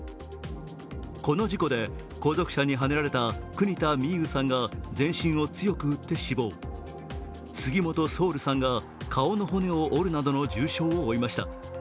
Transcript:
この事故で後続車にはねられた国田美佑さんが全身を強く打って死亡、杉本蒼瑠さんが顔の骨を折るなどの重傷を負いました。